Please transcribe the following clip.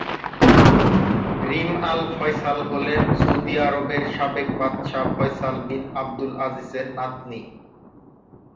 রিম Al Faisal হলেন Saudi আরবের সাবেক বাদশাহ ফয়সাল বিন আব্দুল আজিজের নাতনী।